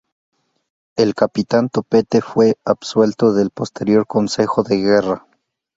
El capitán Topete fue absuelto del posterior consejo de guerra.